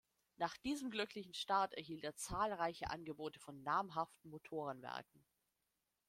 Nach diesem glücklichen Start erhielt er zahlreiche Angebote von namhaften Motorenwerken.